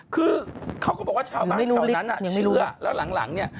คือเขาก็บอกว่าเชื้อแล้วหลังเนี่ย